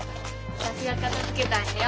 私が片づけたんやよ。